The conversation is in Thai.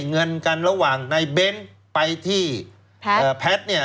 เงินกันระหว่างในเบ้นไปที่แพทย์เนี่ย